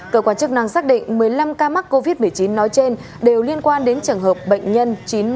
cơ quan chức năng xác định một mươi năm ca mắc covid một mươi chín nói trên đều liên quan đến trường hợp bệnh nhân chín mươi năm nghìn tám